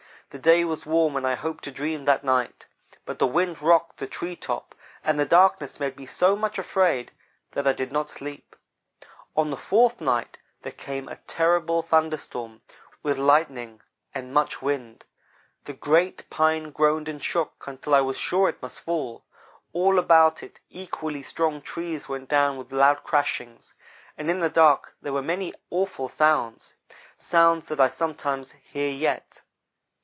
"The day was warm and I hoped to dream that night, but the wind rocked the tree top, and the darkness made me so much afraid that I did not sleep. "On the fourth night there came a terrible thunder storm, with lightning and much wind. The great pine groaned and shook until I was sure it must fall. All about it, equally strong trees went down with loud crashings, and in the dark there were many awful sounds sounds that I sometimes hear yet.